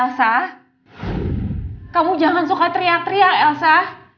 elsa kamu jangan suka teriak teriak elsa